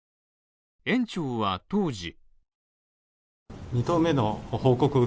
園長は当時。